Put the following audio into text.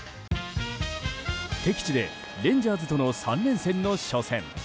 敵地で、レンジャーズとの３連戦の初戦。